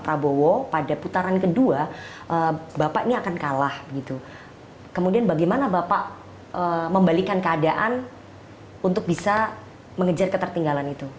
praswedan kemudian bagaimana bapak membalikan keadaan untuk bisa mengejar ketertinggalan itu